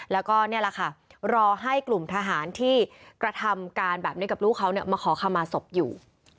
แล้วก็นี่แหละค่ะรอให้กลุ่มทหารที่กระทำการแบบนี้กับลูกเขามาขอคำมาศพอยู่